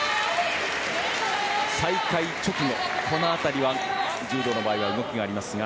再開直後この辺りは柔道の場合は動きがありますが。